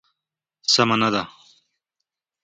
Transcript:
سمه نه ده.